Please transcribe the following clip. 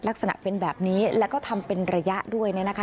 ลักษณะเป็นแบบนี้แล้วก็ทำเป็นระยะด้วยเนี่ยนะคะ